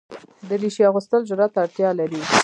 دریشي اغوستل جرئت ته اړتیا لري.